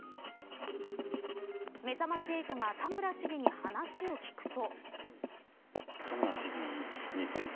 めざまし８が田村市議に話を聞くと。